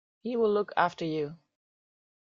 He will look after you.